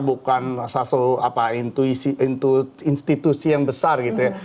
bukan satu institusi yang besar gitu ya